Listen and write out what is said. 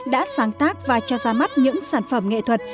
đã sáng tác và cho ra mắt những sản phẩm nghệ thuật